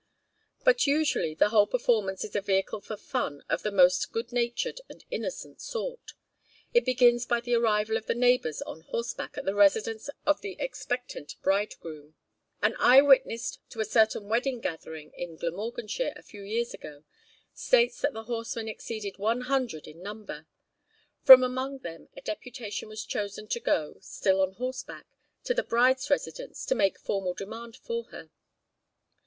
But usually, the whole performance is a vehicle for fun of the most good natured and innocent sort. It begins by the arrival of the neighbours on horseback at the residence of the expectant bridegroom. An eye witness to a certain wedding gathering in Glamorganshire a few years ago states that the horsemen exceeded one hundred in number. From among them a deputation was chosen to go (still on horseback) to the bride's residence to make formal demand for her.